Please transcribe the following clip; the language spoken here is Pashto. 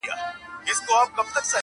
• نجلۍ نوم کله کله يادېږي تل..